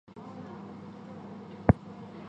该堂以真十字架命名。